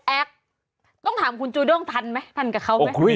ต้องถามคุณจูด้งทันไหมทันกับเขาไหม